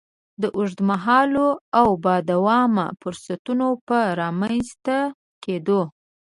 د اوږد مهالو او با دوامه فرصتونو په رامنځ ته کېدو.